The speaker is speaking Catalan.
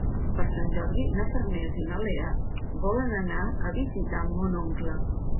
Per Sant Jordi na Farners i na Lea volen anar a visitar mon oncle.